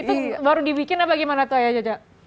itu baru dibikin apa gimana tuh ayah jaja